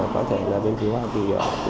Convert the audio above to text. có thể là bên phía hoa kỳ